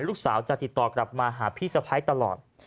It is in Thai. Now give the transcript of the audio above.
ลูกสาวจะติดต่อกลับมาหาพี่สะพ้ายตลอด